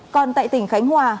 còn tại tỉnh khánh hòa